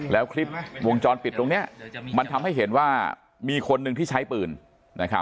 แล้วคลิปวงจรปิดตรงนี้มันทำให้เห็นว่ามีคนหนึ่งที่ใช้ปืน